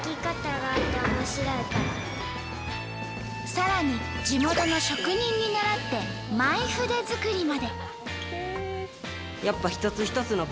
さらに地元の職人に習ってＭｙ筆作りまで。